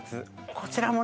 こちらもね